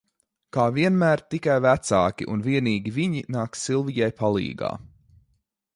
Kā vienmēr tikai vecāki, un vienīgi viņi, nāk Silvijai palīgā.